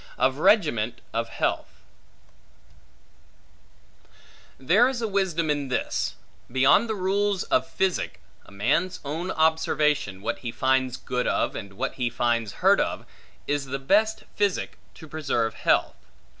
Of Regiment Of Health THERE is a wisdom in this; beyond the rules of physic: a man's own observation, what he finds good of, and what he finds hurt of, is the best physic to preserve health.